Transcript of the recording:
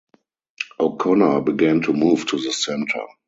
O'Connor began to move to the center.